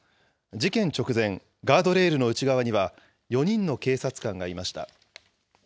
事件直前、ガードレールの内側には４人の警察官がいました。